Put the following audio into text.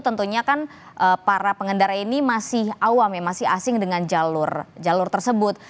tentunya kan para pengendara ini masih awam ya masih asing dengan jalur jalur tersebut